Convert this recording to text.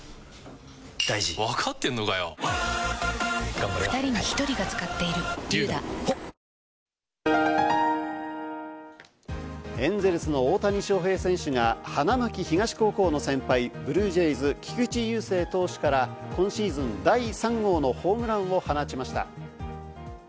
調べに対して、博仁容疑者はちょっと違いますと話し、エンゼルスの大谷翔平選手が花巻東高校の先輩、ブルージェイズ・菊池雄星投手から今シーズン第３号のホームランを放ちました。